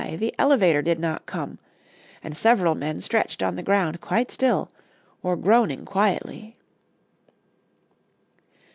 the elevator did not come, and several men stretched on the ground quite still or groaning quietly.